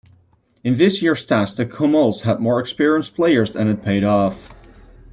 In this year's test, the Kumuls had more experienced players and it paid off.